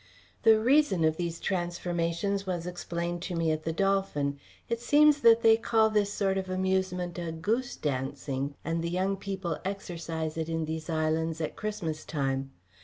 The reason of these transformations was explained to me at the "Dolphin." It seems that they call this sort of amusement "a goose dancing," and the young people exercise it in these islands at Christmas time.